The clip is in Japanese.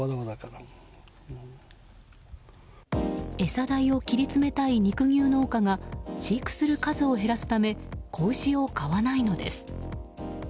餌代を切り詰めたい肉牛農家が飼育する数を減らすため子牛を買わないのです。